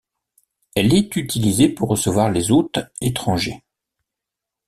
Elle est utilisée pour recevoir les hôtes étrangers.